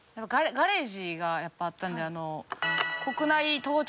ガレージがやっぱあったんで。